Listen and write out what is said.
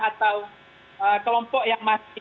atau kelompok yang masih